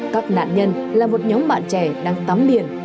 các nạn nhân là một nhóm bạn trẻ đang tắm biển